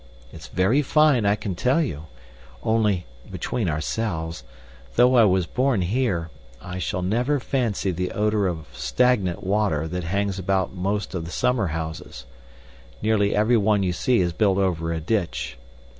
It's very fine, I can tell you; only (between ourselves), though I was born here, I shall never fancy the odor of stagnant water that hangs about most of the summer houses. Nearly every one you see is built over a ditch.